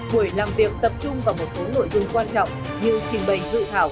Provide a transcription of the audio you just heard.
buổi làm việc tập trung vào một số nội dung quan trọng như trình bày dự thảo